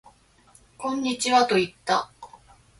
こんにちはと言った